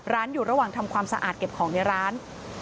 อยู่ระหว่างทำความสะอาดเก็บของในร้าน